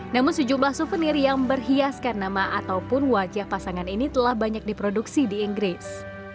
namun sejumlah souvenir yang berhiaskan nama ataupun wajah pasangan ini telah banyak diproduksi di inggris